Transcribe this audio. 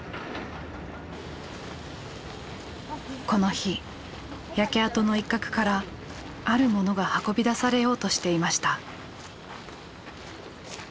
この日焼け跡の一角からあるものが運び出されようとしていました。